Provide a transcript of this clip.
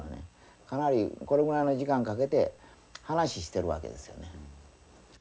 かなりこのぐらいの時間かけて話してるわけですよね。